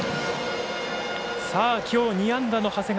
きょう、２安打の長谷川。